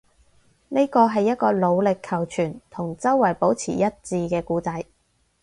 呢個係一個努力求存，同周圍保持一致嘅故仔